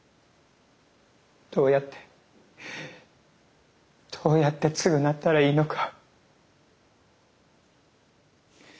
どうやってどうやって償ったらいいのか。